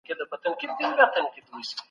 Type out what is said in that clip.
بې وزلو ته په خپلو مالونو کي برخه ورکړئ.